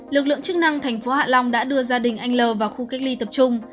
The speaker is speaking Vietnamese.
lực lượng chức năng tp hạ long đã đưa gia đình anh l vào khu cách ly tập trung